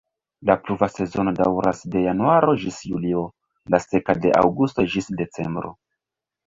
La pluva sezono daŭras de januaro ĝis julio, la seka de aŭgusto ĝis decembro.